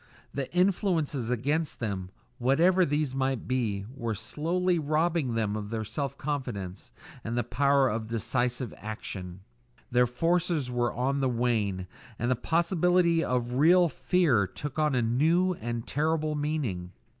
The influences against them, whatever these might be, were slowly robbing them of self confidence, and the power of decisive action; their forces were on the wane, and the possibility of real fear took on a new and terrible meaning.